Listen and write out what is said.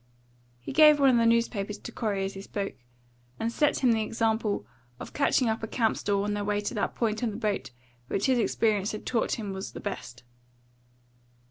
He gave one of the newspapers to Corey as he spoke, and set him the example of catching up a camp stool on their way to that point on the boat which his experience had taught him was the best.